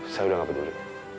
saya udah nggak peduli